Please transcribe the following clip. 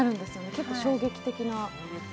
結構衝撃的な。